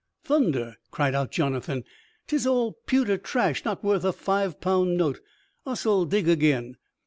"Thunder!" cried out Jonathan. "'Tis all pewter trash, not worth a five pound note! Us'll dig again."